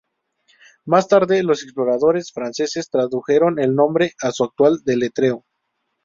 Más tarde, los exploradores franceses tradujeron el nombre a su actual deletreo.